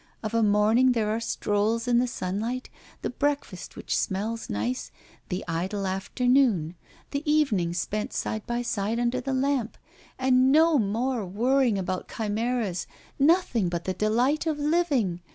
Of a morning there are strolls in the sunlight, the breakfast which smells nice, the idle afternoon, the evening spent side by side under the lamp! And no more worrying about chimeras, nothing but the delight of living!